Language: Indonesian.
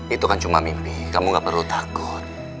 itu kan cuma mimpi kamu gak perlu takut